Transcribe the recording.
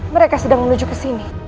mereka sedang menuju kesini